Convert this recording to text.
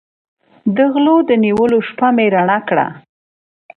د غلو د نیولو شپه مې رڼه کړه.